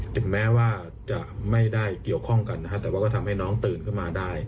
ถึงแม้ว่าจะไม่ได้เกี่ยวข้องกันนะฮะแต่ว่าก็ทำให้น้องตื่นขึ้นมาได้